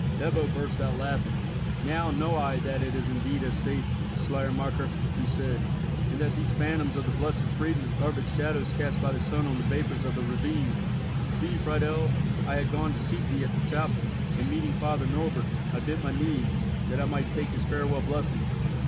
Ebbo burst out laughing. "Now know I that it is indeed as saith Schleiermacher," he said, "and that these phantoms of the Blessed Friedmund are but shadows cast by the sun on the vapours of the ravine. See, Friedel, I had gone to seek thee at the chapel, and meeting Father Norbert, I bent my knee, that I might take his farewell blessing.